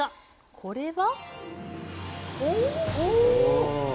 これは？